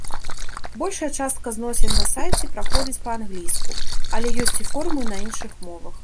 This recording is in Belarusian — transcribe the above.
Большая частка зносін на сайце праходзіць па-англійску, але ёсць і форумы на іншых мовах.